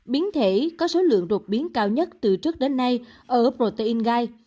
biến thể có số lượng đột biến cao nhất từ trước đến nay ở aprotein gai